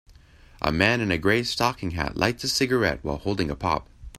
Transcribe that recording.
A man in a gray stocking hat lights a cigarette while holding a pop.